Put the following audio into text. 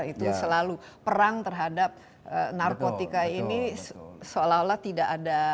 itu selalu perang terhadap narkotika ini seolah olah tidak ada